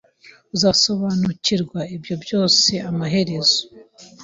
Uzasobanukirwa ibyo byose amaherezo.